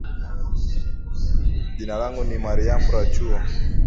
Jina langu ni Maryam Rachuo